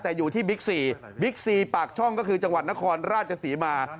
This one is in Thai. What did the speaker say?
แต่อยู่ที่บิ๊กซีบิ๊กซีปากช่องก็คือจังหวัดนครราชศรีมา